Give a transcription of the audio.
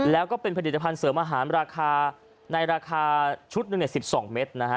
แล้วก็เป็นผลิตภัณฑ์เสริมอาหารราคาในราคาชุดหนึ่ง๑๒เมตรนะฮะ